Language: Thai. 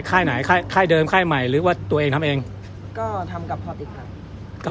ไข้ไหนไข้เดิมไข้ใหม่หรือว่าตัวเองทำเองก็ทำกับพอร์ติกค่ะ